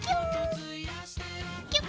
キュッ。